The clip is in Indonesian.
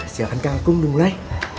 silahkan kangkung dimulai